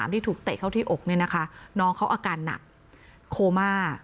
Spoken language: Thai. ที่ถูกเตะเข้าที่อกเนี่ยนะคะน้องเขาอาการหนักโคม่า